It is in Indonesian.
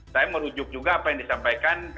saya merujuk juga apa yang disampaikan